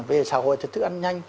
về xã hội thì thức ăn nhanh